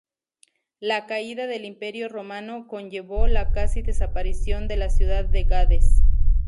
La caída del imperio romano conllevó la casi desaparición de la ciudad de Gades.